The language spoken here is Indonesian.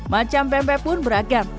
macam pempek pun beragam